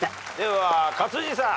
は勝地さん。